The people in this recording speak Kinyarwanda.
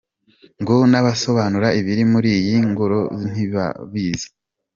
Ngo n’abasobanura ibiri muri iyi ngoro ntibabizi…